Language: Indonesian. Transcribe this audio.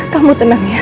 kamu tenang ya